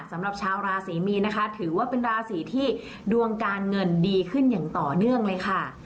สำหรับชาวราศรีมีนนะคะถือว่าเป็นราศีที่ดวงการเงินดีขึ้นอย่างต่อเนื่องเลยค่ะ